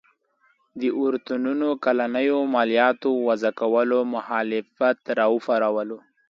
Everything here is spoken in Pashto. د اورتونونو کلنیو مالیاتو وضعه کولو مخالفت راوپاروله.